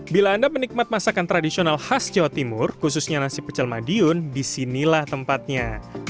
bila anda menikmati masakan tradisional khas jawa timur khususnya nasi pecel madiun disinilah tempatnya